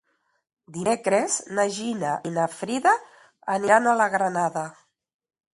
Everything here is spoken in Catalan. Dimecres na Gina i na Frida aniran a la Granada.